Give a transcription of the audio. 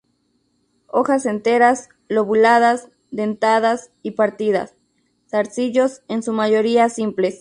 Hojas enteras, lobuladas, dentadas y partidas; zarcillos, en su mayoría simples.